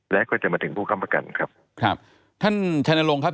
และก็จะมาถึงผู้ค้ำประกันครับครับท่านชัยนรงค์ครับ